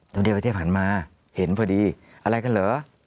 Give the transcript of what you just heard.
ต้องได้ประเทศผันมาเห็นพอดีอะไรกันเหรอ